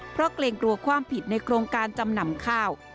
เพราะเกรงกลัวความผิดในโครงการจำนำข้าว